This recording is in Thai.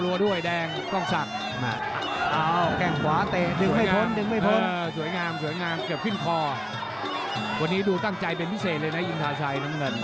วันนี้ดูตั้งใจเป็นพิเศษเลยนะอินทาชัยน้ำเงิน